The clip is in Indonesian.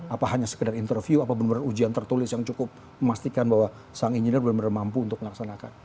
apa hanya sekedar interview apa benar benar ujian tertulis yang cukup memastikan bahwa sang engineer benar benar mampu untuk melaksanakan